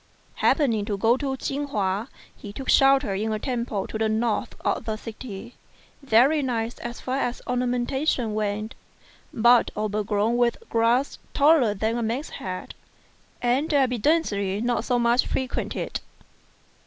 Happening to go to Chin hua, he took shelter in a temple to the north of the city; very nice as far as ornamentation went, but overgrown with grass taller than a man's head, and evidently not much frequented.